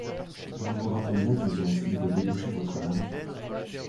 Vous vous rappelez bien qu’ils ont essayé de débaucher votre mari...